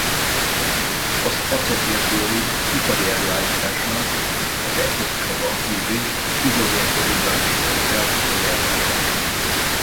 Az acetil-klorid ipari előállítása az ecetsav-anhidrid hidrogén-kloriddal végzett reakciójával történik.